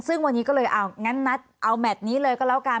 ซึ่งวันนี้ก็เลยเอางั้นนัดเอาแมทนี้เลยก็แล้วกัน